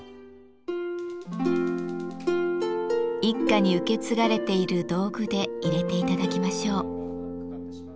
一家に受け継がれている道具でいれて頂きましょう。